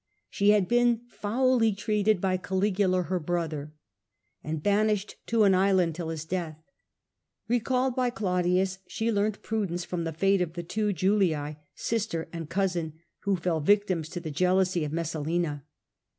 She had been foully treated by Caligula, her brother, and banished to an island till his death. Recalled by Claudius, she learnt prudence from the fate of the two Juliae, sister and cousin, who fell victims to the jealousy of Messalina.